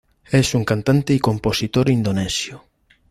Es un cantante y compositor indonesio.